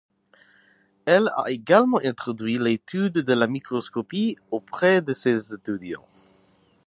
Elle a également introduit l'étude de la microscopie auprès de ses étudiants.